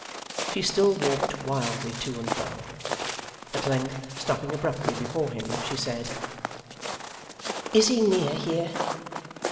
She still walked wildly to and fro. At length, stopping abruptly before him, she said: 'Is he near here?